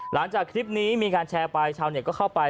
หลังจากคลิปนี้มีการแชร์ไปชาวเน็ตก็เข้าไป